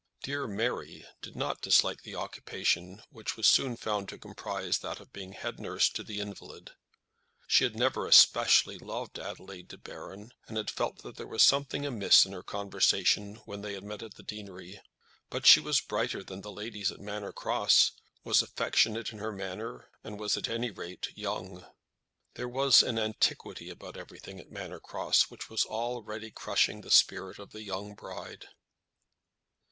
"Dear Mary" did not dislike the occupation, which was soon found to comprise that of being head nurse to the invalid. She had never especially loved Adelaide De Baron, and had felt that there was something amiss in her conversation when they had met at the deanery; but she was brighter than the ladies at Manor Cross, was affectionate in her manner, and was at any rate young. There was an antiquity about every thing at Manor Cross, which was already crushing the spirit of the young bride.